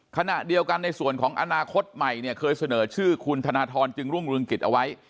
ขณะเดียวกันในส่วนของอนาคตใหม่เนี่ยเคยเสนอชื่อคุณธนทรจึงรุ่งเรืองกิจเอาไว้